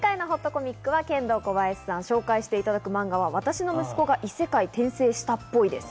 コミックはケンドーコバヤシさんにご紹介していただくマンガは『私の息子が異世界転生したっぽい』です。